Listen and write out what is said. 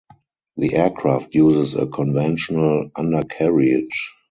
The aircraft uses a conventional undercarriage.